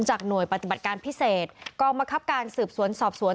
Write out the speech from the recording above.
หน่วยปฏิบัติการพิเศษกองบังคับการสืบสวนสอบสวน